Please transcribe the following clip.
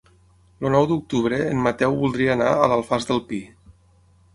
El nou d'octubre en Mateu voldria anar a l'Alfàs del Pi.